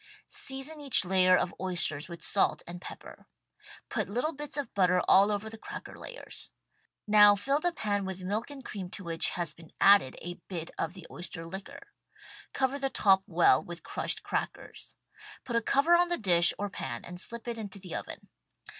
Season each layer of oysters with salt and pepper. Put little bits of butter all over the cracker layers. Now fill the pan with milk and cream to which has been added a bit of the oyster liquor. Cover the top well with crushed crackers. Put a cover on the dish or pan and slip it into the oven.